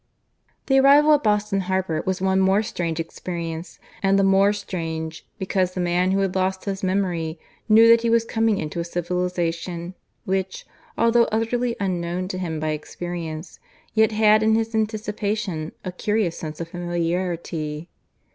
(III) The arrival at Boston harbour was one more strange experience, and the more strange because the man who had lost his memory knew that he was coming into a civilization which, although utterly unknown to him by experience, yet had in his anticipation a curious sense of familiarity.